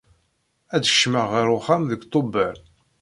Ad d-kecmeɣ ɣer uxxam deg Tubeṛ.